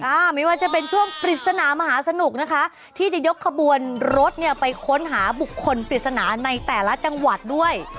ไม่ว่าจะเป็นช่วงปริศนามหาสนุกนะคะที่จะยกขบวนรถเนี่ยไปค้นหาบุคคลปริศนาในแต่ละจังหวัดด้วย